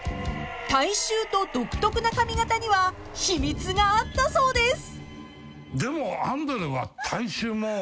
［体臭と独特な髪型には秘密があったそうです］